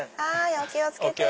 お気を付けて。